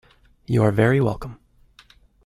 You are very welcome.